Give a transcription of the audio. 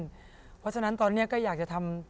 เพราะฉะนั้นตอนนี้ก็อยากจะทำ